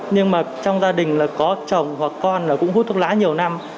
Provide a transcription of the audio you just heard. nhưng mà trong gia đình là có chồng hoặc con cũng hút thuốc lá nhiều năm